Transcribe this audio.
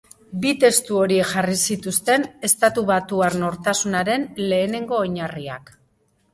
Bi testu horiek jarri zituzten estatubatuar nortasunaren lehenengo oinarriak.